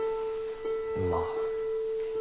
まあ。